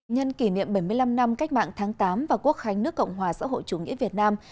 nhân kỷ niệm bảy mươi năm năm cách mạng tháng tám và quốc khánh nước cộng hòa xã hội chủ nghĩa việt nam